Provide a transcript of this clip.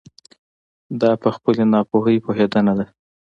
دا په خپلې ناپوهي پوهېدنه ده.